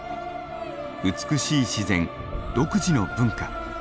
美しい自然独自の文化。